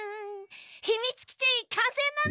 ひみつきちかんせいなのだ！